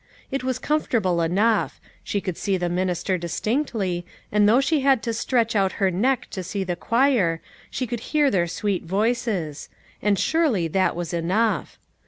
It was comfortable enough ; she could see the minister distinctly, and though she had to stretch outlier neck to see the choir, she could hear their sweet voices ; and surely that was enough.